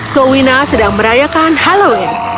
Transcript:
showina sedang merayakan halloween